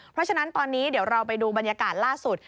เพราะฉะนั้นตอนนี้เดี๋ยวเราไปดูบรรยากาศล่าสุด